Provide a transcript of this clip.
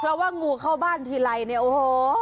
เพราะว่างูเข้าบ้านทีไรเนี่ยโอ้โห